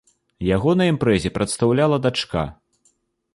Яго на імпрэзе прадстаўляла дачка.